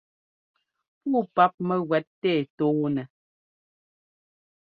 Puu páp mɛ́gúɛ́t tɛ́ tɔɔnɛ́.